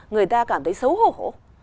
người ta cảm thấy xấu hổ